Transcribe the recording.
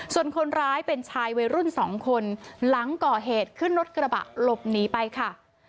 ส่วนคนร้ายเป็นชายวัยรุ่นสองคนหลังก่อเหตุขึ้นรถกระบะหลบหนีไปค่ะ